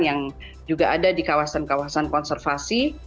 yang juga ada di kawasan kawasan konservasi